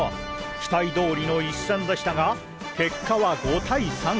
期待通りの一戦でしたが結果は５対３！